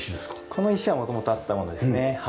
この石は元々あったものですね。